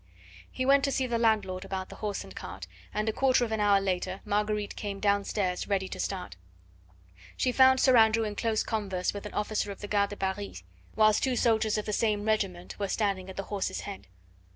He went to see the landlord about the horse and cart, and a quarter of an hour later Marguerite came downstairs ready to start. She found Sir Andrew in close converse with an officer of the Garde de Paris, whilst two soldiers of the same regiment were standing at the horse's head.